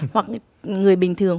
hoặc người bình thường